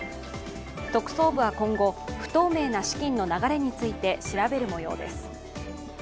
特捜部は今後、不透明な資金の流れについて調べるもようです。